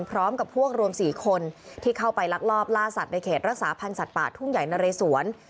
พร้อมกับพวกรวม๔คนที่เข้าไปลักลอบล่าสัตว์ในเขตรักษาพันธ์สัตว์ป่าทุ่งใหญ่นะเรสวน